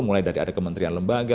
mulai dari ada kementerian lembaga